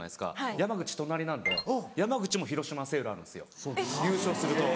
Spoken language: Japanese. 山口隣なんで山口も広島セールあるんですよ優勝すると。